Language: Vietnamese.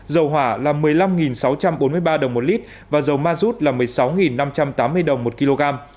dầu hỏa là một mươi năm sáu trăm bốn mươi ba đồng một lít và dầu ma rút là một mươi sáu năm trăm tám mươi đồng một kg